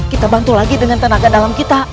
kita bantu lagi dengan tenaga dalam kita